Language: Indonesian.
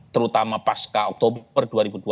terutama pasca oktober dua ribu dua puluh